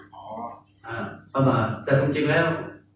ประมาทแต่จริงแล้ว